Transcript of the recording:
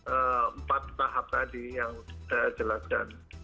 empat tahap tadi yang sudah dijelaskan